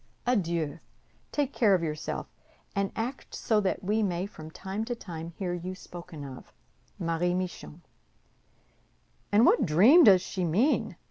Adieu! Take care of yourself, and act so that we may from time to time hear you spoken of. "MARIE MICHON" "And what dream does she mean?"